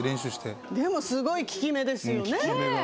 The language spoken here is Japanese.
でもすごい効き目ですよね。